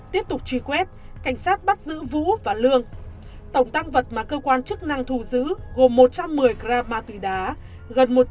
tiếp tục truy quét cảnh sát bắt giữ vũ và lương tổng tang vật mà cơ quan chức năng thù giữ gồm một trăm một mươi gram ma túy đá gần một trăm linh viên thuốc lắc